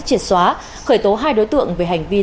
triệt xóa khởi tố hai đối tượng về hành vi